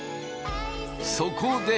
そこで！